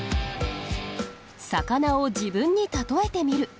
魚を自分に例えてみる。